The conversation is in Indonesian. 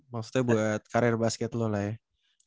maksudnya buat karir basket lo lah ya